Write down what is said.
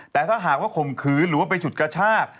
แต่ถ้าหากว่าข่มขืนหรือว่าไปฉุดกระชาก